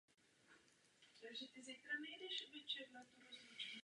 Chov totiž ukončily další dvě zoo.